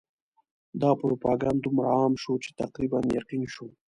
دا پروپاګند دومره عام شو چې تقریباً یقین شو.